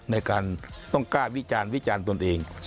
ในการต้องกล้าวิจารณ์วิจารณ์ตนเอง